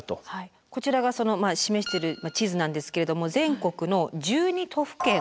こちらがその示している地図なんですけれども全国の１２都府県。